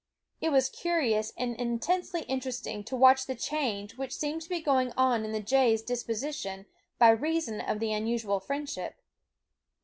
It was curious and intensely interesting to watch the change which seemed to be going on in the jays' disposition by reason of the unusual friendship.